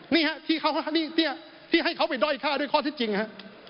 นี่ฮะที่ให้เขาไปด้อยฆ่าด้วยข้อที่จริงฮะ